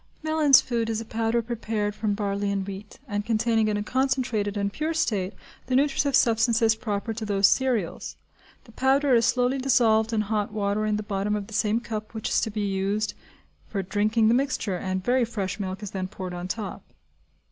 Mellin's Food is a powder prepared from barley and wheat, and containing in a concentrated and pure state the nutritive substances proper to those cereals; the powder is slowly dissolved in hot water in the bottom of the same cup which is to be used for drinking the mixture, and very fresh milk is then poured on top.